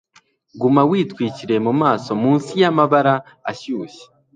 Guma witwikiriye mumaso munsi yamabara ashyushye